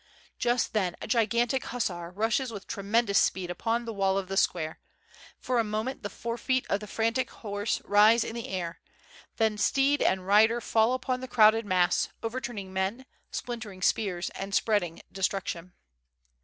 Just then a gigantic hussar rushes with tremendous speed upon the wall of the square; for a moment the forefeet of the frantic horse rise in the air, then steed and rider fall upon the crowded mass, overturning men, splintering spears, and spreading destruction.